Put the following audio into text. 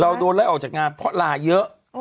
เราโดนไล่ออกจากงานเพราะลาเยอะ